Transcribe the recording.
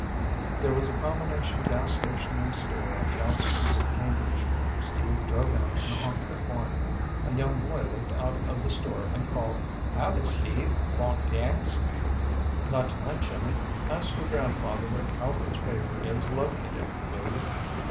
There was a combination gas station and store on the outskirts of Cambridge. Steve drove in and honked the horn. A young boy looked out of the store and called, "Howdy, Steve. Want gas?" "Not tonight, Jimmy. Ask your grandfather where Calvert's Favor is located, will you?"